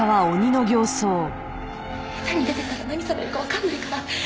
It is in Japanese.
下手に出て行ったら何されるかわかんないから早く！